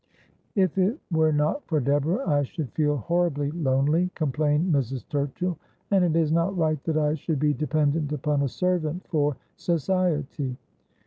' If it were not for Deborah I should feel horribly lonely,' complained Mrs. Turchill. ' And it is not right that I should be dependent upon a servant for society.'